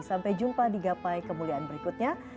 sampai jumpa di gapai kemuliaan berikutnya